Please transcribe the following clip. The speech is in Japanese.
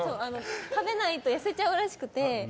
食べないと痩せちゃうらしくて。